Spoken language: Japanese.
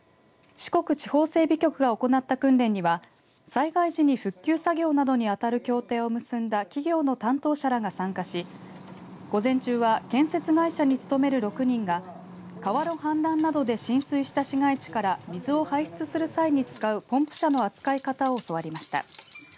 四国地方整備局が行った訓練には災害時に復旧作業などにあたる協定を結んだ企業の担当者らが参加し午前中は建設会社に勤める６人が川の氾濫などで浸水した市街地から水を排出する際に使うポンプ車の扱い方を教わりました。